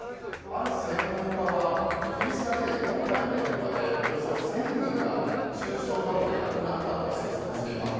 ある専門家はイギリスだけで、今回の熱波でおよそ１０００人が熱中症などで亡くなったと推測しています。